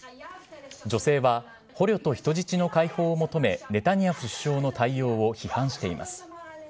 女性は、捕虜と人質の解放を求め、ネタニヤフ首相の対応を批判しています。